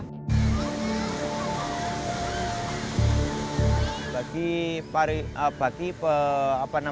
dia tidak bisa keluar malah akhirnya cangkangnya tidak sempurna